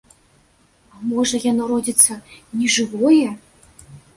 А можа, яно родзіцца нежывое?